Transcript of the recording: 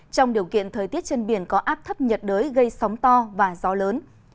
trong điều kiện thời tiết trên biển có áp thấp nhiệt đới gây sóng to và gió lớn